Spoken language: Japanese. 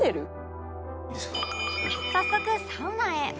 早速サウナへ